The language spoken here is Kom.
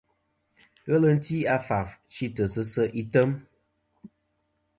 Ghelɨ ti a faf chitɨ sɨ se' item.